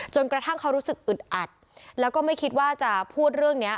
กระทั่งเขารู้สึกอึดอัดแล้วก็ไม่คิดว่าจะพูดเรื่องนี้